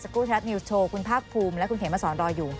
กู้ไทยรัฐนิวส์โชว์คุณภาคภูมิและคุณเขมมาสอนรออยู่